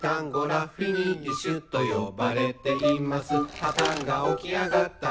「はたが起き上がったり」